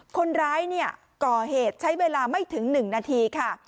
คนร้ายก่อเหตุใช้เวลาไม่ถึง๑นาทีค่ะ